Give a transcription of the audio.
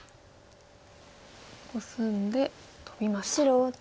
コスんでトビました。